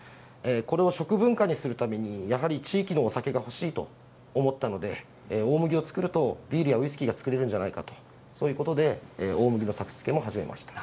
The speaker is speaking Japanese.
これを食文化にするために地域のお酒が欲しいと思ったので大麦を作るとビールやウイスキーが造れるんじゃないかと大麦の作付けを始めました。